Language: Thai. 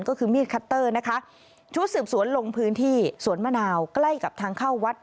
ก็คือมีดคัตเตอร์นะคะชุดสืบสวนลงพื้นที่สวนมะนาวใกล้กับทางเข้าวัด